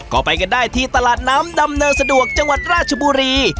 ก็ไปกันได้ที่ตลาดน้ำดำเนินสะดวกจังหวัดราชบุรี